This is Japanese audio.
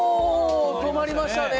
止まりましたね。